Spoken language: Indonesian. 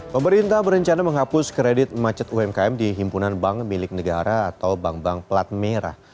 pemerintah berencana menghapus kredit macet umkm di himpunan bank milik negara atau bank bank pelat merah